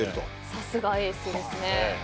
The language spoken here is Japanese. さすがエースですね。